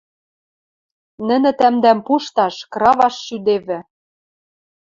Нӹнӹ тӓмдӓм пушташ, краваш шӱдевӹ...